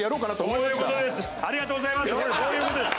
そういう事です！